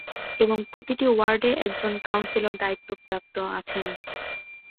এবং প্রতিটি ওয়ার্ডে একজন কাউন্সিলর দায়িত্বপ্রাপ্ত আছেন।